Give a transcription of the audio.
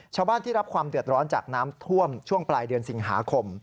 ชาวบ้านที่รับความเดือดร้อนจากน้ำท่วมช่วงปลายเดือนสิงหาคม